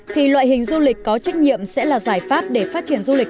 thì loại hình du lịch có trách nhiệm sẽ là giải pháp để phát triển du lịch